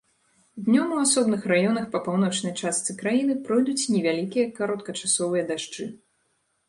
Днём у асобных раёнах па паўночнай частцы краіны пройдуць невялікія кароткачасовыя дажджы.